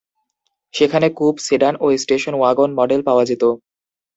সেখানে coupe, sedan এবং station wagon model পাওয়া যেত।